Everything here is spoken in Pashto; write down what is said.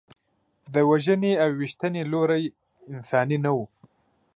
د وژنې او ویشتنې لوری انساني نه و.